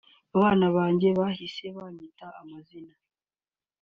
Abana banjye bahise bamwita amazina